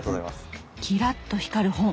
キラッと光る本！